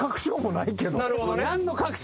なるほどね。